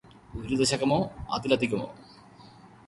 ഒരു ദശകമോ അതിലധികമോ